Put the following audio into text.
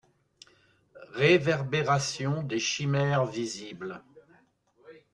Réverbérations des chimères visibles!